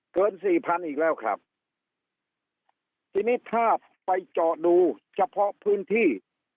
สี่พันอีกแล้วครับทีนี้ถ้าไปเจาะดูเฉพาะพื้นที่